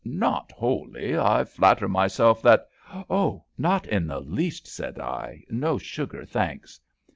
Not wholly. I flatter myself that ''Oh, not in the least,*' said I. "No sugar, thanks."